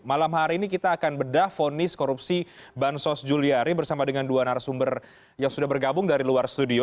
malam hari ini kita akan bedah fonis korupsi bansos juliari bersama dengan dua narasumber yang sudah bergabung dari luar studio